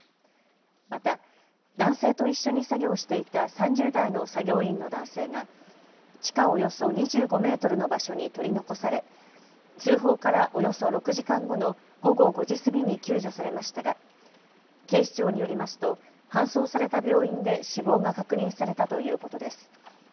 また男性と一緒に作業していた３０代の作業員の男性が地下およそ２５メートルの場所に取り残され通報からおよそ６時間後の午後５時過ぎに救助されましたが警視庁によりますと搬送された病院で死亡が確認されたということです。